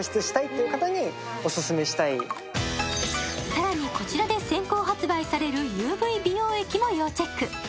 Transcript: さらにこちらで先行発売されるＵＶ美容液も要チェック。